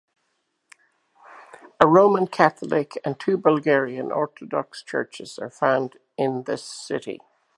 A Roman Catholic and two Bulgarian Orthodox churches are found in the city.